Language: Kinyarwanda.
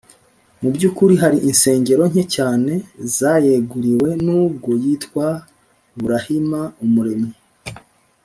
mu by’ukuri hari insengero nke cyane zayeguriwe nubwo yitwa burahima umuremyi.